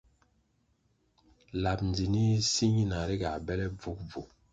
Lab ndzinih si ñina ri ga bele bvugubvu.